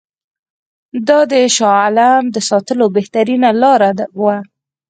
دا د شاه عالم د ساتلو بهترینه لاره وه.